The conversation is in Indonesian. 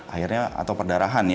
akhirnya atau perdarahan ya